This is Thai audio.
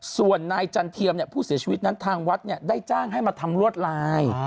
ส่วนนายจันเทียมผู้เสียชีวิตนั้นทางวัดได้จ้างให้มาทำลวดลาย